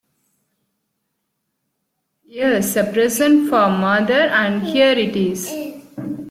Yes; a present for mother, and here it is!